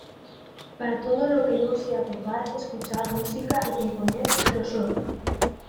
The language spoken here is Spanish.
Para todo lo que no sea tocar, escuchar música y componer, lo soy".